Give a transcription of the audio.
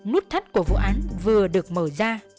nút thắt của vụ án vừa được mở ra